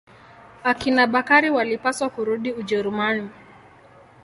Akina Bakari walipaswa kurudi Ujerumani.